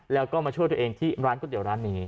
แล้วก็มาช่วยตัวเองที่ร้านก๋วเตี๋ยร้านนี้